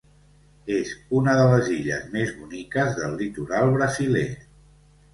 És una de les illes més boniques del litoral brasiler.